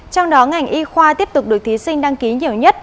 trong đó ngành y khoa tiếp tục được thí sinh đăng ký nhiều nhất